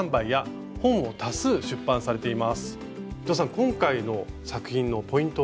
今回の作品のポイントは？